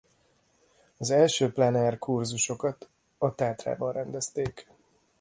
Az első plein-air kurzusokat a Tátrában rendezték.